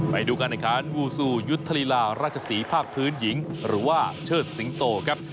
ไปดูการแข่งขันวูซูยุทธลีลาราชศรีภาคพื้นหญิงหรือว่าเชิดสิงโตครับ